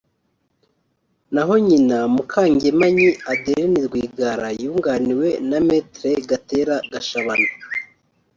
naho nyina Mukangemanyi Adeline Rwigara yunganiwe na Me Gatera Gashabana